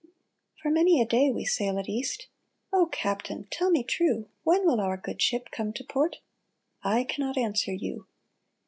For many a day we sailed east. " O captain, tell me true. When will our good ship come to port ?"" I cannot answ^er you